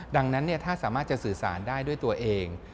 ดังนั้นถ้าสามารถจะสื่อสารได้ด้วยตัวเอง